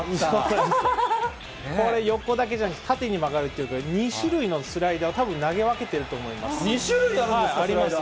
これ、横だけじゃなくて、縦に曲がるという、２種類のスライダーをたぶん投げ分けてると思２種類あるんですか。